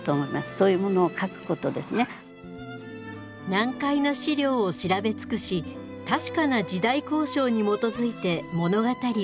難解な史料を調べ尽くし確かな時代考証に基づいて物語を紡いだ